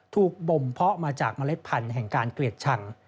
บ่มเพาะมาจากเมล็ดพันธุ์แห่งการเกลียดชัง